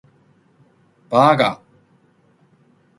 八嘎！